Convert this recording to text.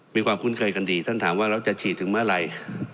คุ้นเคยกันดีท่านถามว่าเราจะฉีดถึงเมื่อไหร่